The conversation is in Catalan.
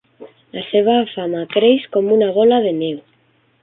La seva fama creix com una bola de neu.